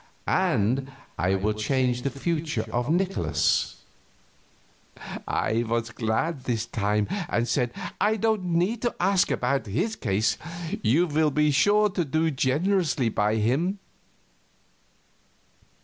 And I will change the future of Nikolaus." I was glad, this time, and said, "I don't need to ask about his case; you will be sure to do generously by him."